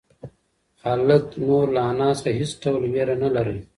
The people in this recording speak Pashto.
هلک نور له انا څخه هېڅ ډول وېره نهلري.